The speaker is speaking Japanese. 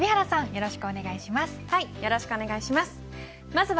よろしくお願いします。